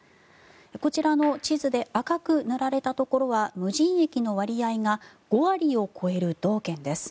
こちらの地図で赤く塗られたところは無人駅の割合が５割を超える道県です。